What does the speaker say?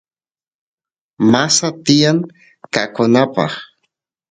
masa tiyan qoqanapaq